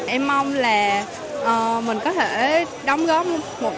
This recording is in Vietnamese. em mong là mình có thể đóng góp một